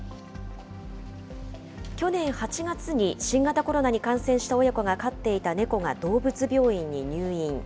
去年８月に新型コロナに感染した親子が飼っていた猫が動物病院に入院。